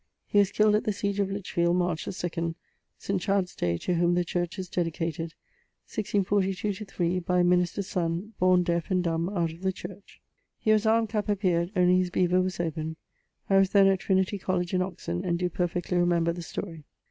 He was killed at the siege of Lichfield, March the 2d (St. Chad's day, to whom the Church is dedicated) <1642/3> by a minister's sonne, borne deafe and dumbe, out of the church. He was armed cap à pied; only his bever was open. I was then at Trinity College in Oxon. and doe perfectly remember the story.